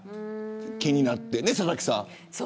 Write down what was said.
気になってね、佐々木さん。